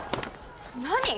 何？